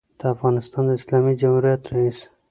دافغانستان د اسلامي جمهوریت رئیس